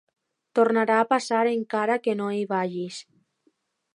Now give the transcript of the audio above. Tornarà a passar encara que no hi vagis.